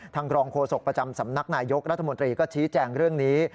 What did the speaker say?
รองโฆษกประจำสำนักนายยกรัฐมนตรีก็ชี้แจงเรื่องนี้